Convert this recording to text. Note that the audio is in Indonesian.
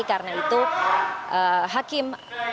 karena itu hakim